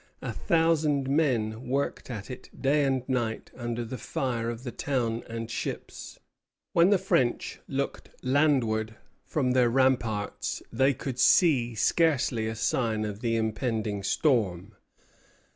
A thousand men worked at it day and night under the fire of the town and ships. When the French looked landward from their ramparts they could see scarcely a sign of the impending storm.